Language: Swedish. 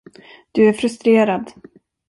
Du är frustrerad.